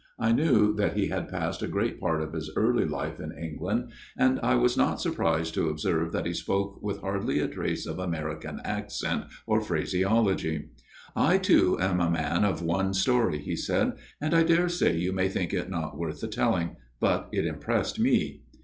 I knew that he had passed a great part of his early life u (jooo) 163 154 A MIRROR OF SHALOTT in England ; and I was not surprised to observe that he spoke with hardly a trace of American accent or phraseology. " I, too, am a man of one story," he said ;" and I daresay you may think it not worth the telling. But it impressed me."